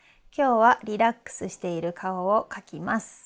きょうはリラックスしているかおを描きます。